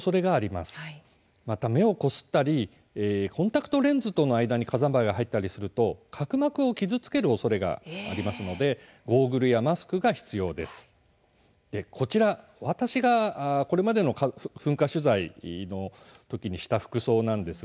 また目をこすったりコンタクトレンズとの間に火山灰が入ったりすると角膜を傷つけるおそれがありますのでゴーグルやマスクが必要です。